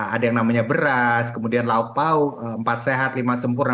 ada yang namanya beras kemudian lauk pauk empat sehat lima sempurna